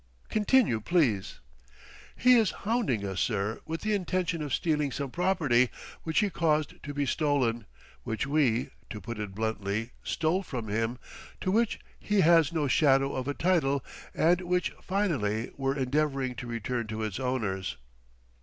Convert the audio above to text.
Continue, please." "He is hounding us, sir, with the intention of stealing some property, which he caused to be stolen, which we to put it bluntly stole from him, to which he has no shadow of a title, and which, finally, we're endeavoring to return to its owners."